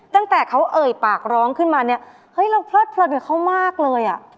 ตั้งแต่เขาเอ่ยปากร้องขึ้นมาเนี่ยเฮ้ยเราเพลิดเพลินกับเขามากเลยอ่ะ